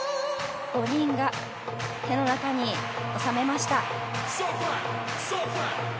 ５人が手の中に収めました。